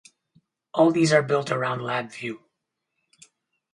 All these are built around Labview.